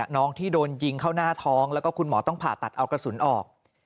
น้องที่โดนยิงเข้าหน้าท้องแล้วก็คุณหมอต้องผ่าตัดเอากระสุนออก